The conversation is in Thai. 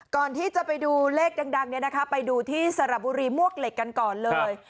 ก่อนที่จะไปดูเลขดังไปดูที่สระบุรีมวกเหล็กกันก่อนเลย